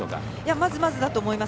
まずまずだと思います。